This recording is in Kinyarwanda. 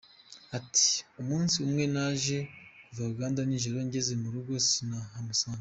Ati “Umunsi umwe naje kuva Uganda nijoro ngeze mu rugo sinahamusanga.